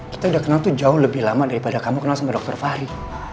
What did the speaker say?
kita udah kenal tuh jauh lebih lama daripada kamu kenal sama dokter fahri